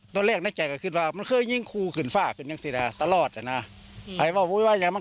ตัวแรกเนี่ยแจกว่ามันคือยิ้งคู่ขึนฟ้าขึ้นอยู่ในเสียงระ่ง